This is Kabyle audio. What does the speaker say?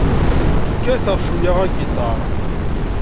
Kkateɣ cweyya agiṭar.